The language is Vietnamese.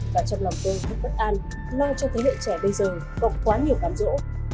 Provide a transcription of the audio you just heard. và trong lòng tôi thích bất an lo cho thế hệ trẻ bây giờ bọc quá nhiều cảm rỗ